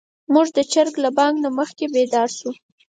موږ د چرګ له بانګ نه مخکې بيدار شوو.